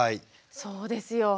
そうですよ。